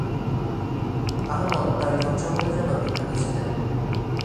আহমদ তার ধনসম্পদের জন্য বিখ্যাত ছিলেন।